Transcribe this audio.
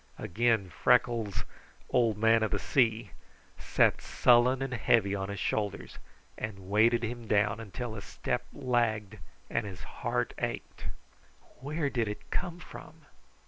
Again Freckles' "old man of the sea" sat sullen and heavy on his shoulders and weighted him down until his step lagged and his heart ached. "Where did it come from?